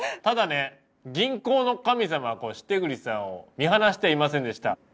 ただね銀行の神様は為栗さんを見放してはいませんでした。